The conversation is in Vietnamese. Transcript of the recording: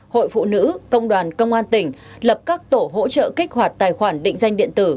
hội phụ nữ công đoàn công an tỉnh lập các tổ hỗ trợ kích hoạt tài khoản định danh điện tử